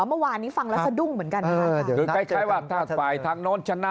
เมื่อวานนี้ฟังแล้วสะดุ้งเหมือนกันค่ะคือคล้ายว่าถ้าฝ่ายทางโน้นชนะ